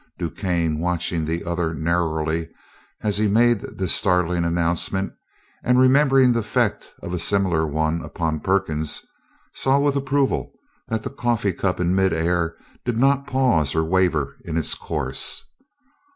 DuQuesne, watching the other narrowly as he made this startling announcement and remembering the effect of a similar one upon Perkins, saw with approval that the coffee cup in midair did not pause or waver in its course.